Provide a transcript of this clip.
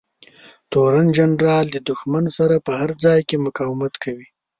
تورن جنرال د دښمن سره په هر ځای کې مقاومت کوي.